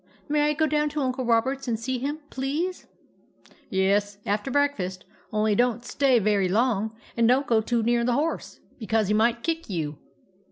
May I go down to Uncle Roberts and see him, please ?"" Yes, after breakfast ; only don't stay very long, and don't go too near the horse, be cause he might kick you."